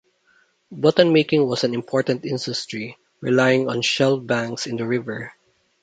Button-making was an important industry, relying on shell banks in the river.